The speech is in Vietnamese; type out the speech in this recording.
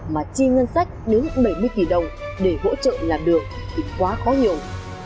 mà chi ngân sách đứng bảy mươi kỳ đồng để hỗ trợ làm được thì quá khó nhộn